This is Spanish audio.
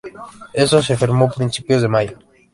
Este se firmó a principios de mayo.